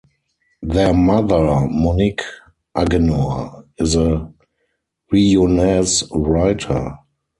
Their mother, Monique Agénor, is a Réunionese writer.